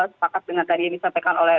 sepakat dengan tadi yang disampaikan oleh